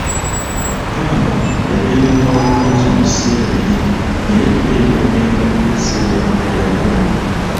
Ppamba yabeeranga wa ttunzi mu biseera biri naye ebbeeyi yagenda esereba mpola mpola.